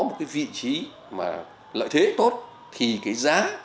một cái vị trí mà lợi thế tốt thì cái giá sẽ xác định nó cao và như vậy nếu mà